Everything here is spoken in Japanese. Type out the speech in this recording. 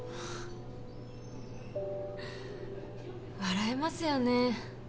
笑えますよね。